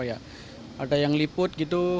ada yang liput gitu